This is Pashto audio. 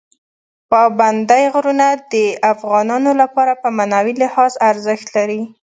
پابندی غرونه د افغانانو لپاره په معنوي لحاظ ارزښت لري.